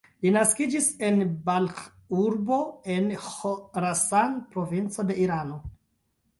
Li naskiĝis en Balĥ-urbo en Ĥorasan-provinco de Irano.